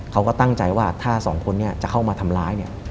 เขาก็ตั้งใจว่าถ้า๒คนนี้จะเข้ามาทำร้าย